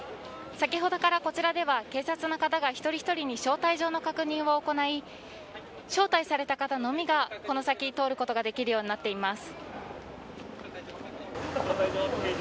先ほどからこちらでは警察の方が一人一人、招待状の確認を行い、招待された方のみがこの先を通ることができるようになっています。